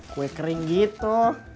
kue kering gitu